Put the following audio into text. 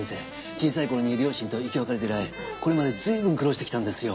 小さい頃に両親と生き別れて以来これまで随分苦労してきたんですよ。